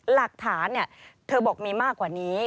หลักฐานเธอบอกมีมากกว่านี้